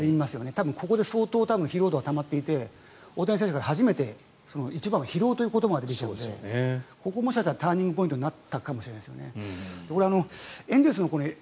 多分ここで相当疲労度がたまっていて大谷選手から初めて一番は疲労という言葉まで出ているのでここもしかしたらターニングポイントになったかもしれないですよね。